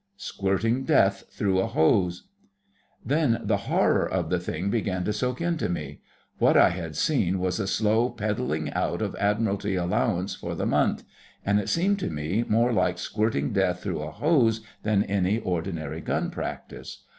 SQUIRTING DEATH THROUGH A HOSE Then the horror of the thing began to soak into me. What I had seen was a slow peddling out of Admiralty allowance for the month, and it seemed to me more like squirting death through a hose than any ordinary gun practice.